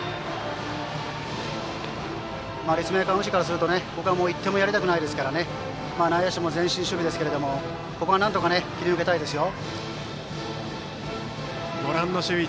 立命館宇治からするとここは１点もやりたくないですから内野手も前進守備ですけどここはなんとか切り抜けたいですよ。